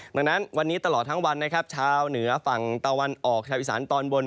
ดังนั้นวันนี้ตลอดทั้งวันนะครับชาวเหนือฝั่งตะวันออกชาวอีสานตอนบน